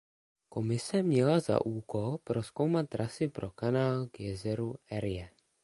Komise měla za úkol prozkoumat trasy pro kanál k jezeru Erie.